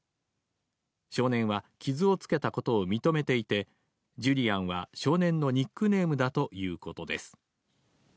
少年は傷をつけたことを認めていて、Ｊｕｌｉａｎは少年のニックネームだということです。